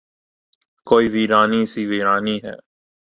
کوئی ویرانی سی ویرانی ہے